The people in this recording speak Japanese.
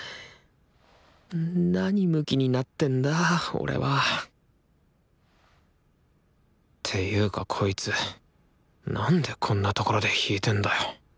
なにムキになってんだ俺はていうかこいつなんでこんな所で弾いてんだよ